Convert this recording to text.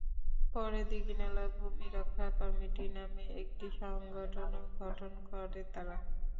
পরে দীঘিনালা ভূমি রক্ষা কমিটি নামে একটি সংগঠনও গঠন করে তারা।